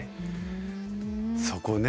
そこね。